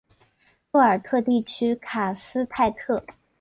多尔特地区卡斯泰特。